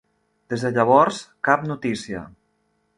Des de llavors, cap notícia.